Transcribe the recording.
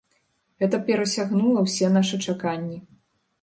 Гэта перасягнула ўсе нашы чаканні.